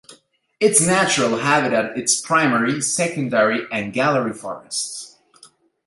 Its natural habitat is primary, secondary and gallery forests.